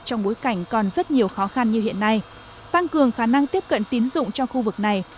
trong bối cảnh còn rất nhiều khó khăn như hiện nay tăng cường khả năng tiếp cận tín dụng cho khu vực này